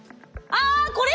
あこれ？